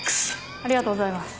ありがとうございます。